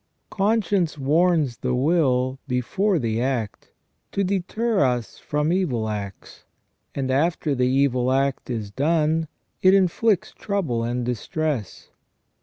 Conscience warns the will before the act to deter us from evil acts, and after the evil act is done, it inflicts trouble and distress.